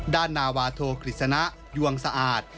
นาวาโทกฤษณะยวงสะอาด